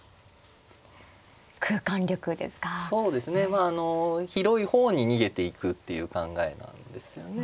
まああの広い方に逃げていくっていう考えなんですよね。